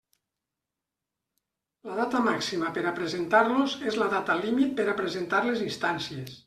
La data màxima per a presentar-los és la data límit per a presentar les instàncies.